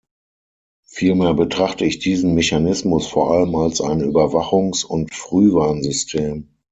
Vielmehr betrachte ich diesen Mechanismus vor allem als ein Überwachungs- und Frühwarnsystem.